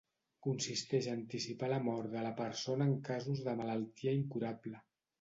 Consisteix a anticipar la mort de la persona en casos de malaltia incurable.